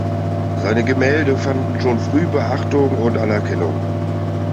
Seine Gemälde fanden schon früh Beachtung und Anerkennung.